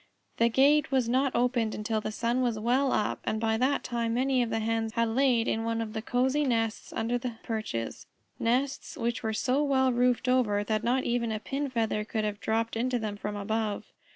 The gate was not opened until the sun was well up, and by that time many of the Hens had laid in one of the cosy nests under the perches, nests which were so well roofed over that not even a pin feather could have dropped into them from above.